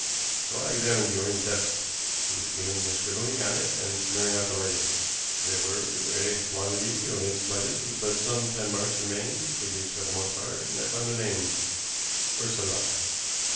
So I examined Ewing's desk. He was given to scribbling on it and smearing out the writing. There were a quantity of ink smudges, but some pen marks remained, figures for the most part, and I found a name Ursula.